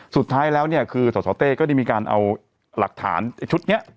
สุดท้ายแล้วเนี่ยคือสสเต้ก็ได้มีการเอาหลักฐานชุดนี้